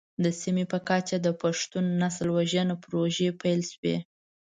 د سیمې په کچه د پښتون نسل وژنه پروژې پيل شوې.